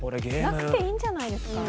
なくていいんじゃないですか？